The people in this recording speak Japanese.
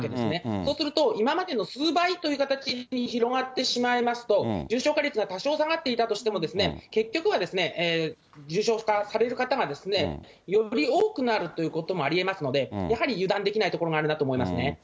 そうすると、今までの数倍という形に広がってしまいますと、重症化率が多少下がっていたとしても、結局は、重症化される方がより多くなるということもありえますので、やはり油断できないところがあるなと思いますね。